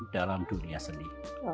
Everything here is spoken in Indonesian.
dalam dunia seni